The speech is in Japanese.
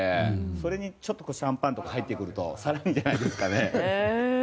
それにシャンパンとか入ってくると更にじゃないですかね。